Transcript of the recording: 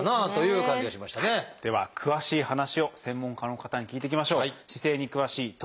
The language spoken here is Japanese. では詳しい話を専門家の方に聞いていきましょう。